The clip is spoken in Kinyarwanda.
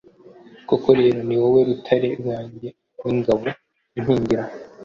Koko rero ni wowe rutare rwanjye n’ingabo inkingira